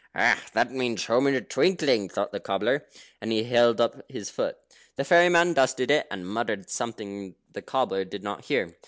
"That means home in a twinkling," thought the cobbler, and he held up his foot. The fairy man dusted it, and muttered something the cobbler did not hear.